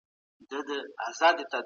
ایا افغان سوداګر شین ممیز اخلي؟